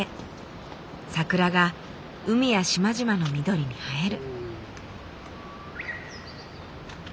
桜が海や島々の緑に映える。